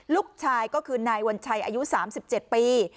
ลูกชายก็คือนายวัญชัยอายุ๓๗ปี